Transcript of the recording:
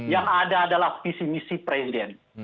yang ada adalah visi misi presiden